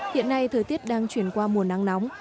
hiện nay thời tiết đang chuyển qua mùa nắng nóng